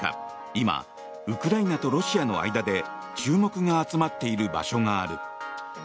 今、ウクライナとロシアの間で注目が集まっている場所がある。